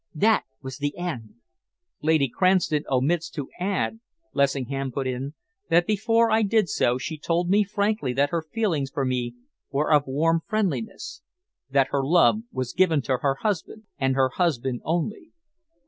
That was the end." "Lady Cranston omits to add," Lessingham put in, "that before I did so she told me frankly that her feelings for me were of warm friendliness that her love was given to her husband, and her husband only."